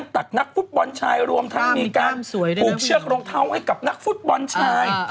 ตักนักฟุตบอลชายรวมทั้งมีการผูกเชือกรองเท้าให้กับนักฟุตบอลชาย